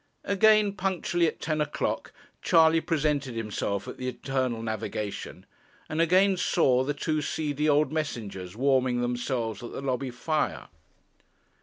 Again, punctually at ten o'clock, Charley presented himself at the Internal Navigation; and again saw the two seedy old messengers warming themselves at the lobby fire.